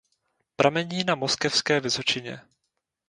Pramení na Moskevské vysočině.